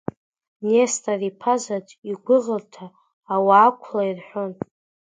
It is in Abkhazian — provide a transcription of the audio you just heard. Нестор иԥазаҵә, игәыӷырҭа, ауа-ақәла ирҳәон…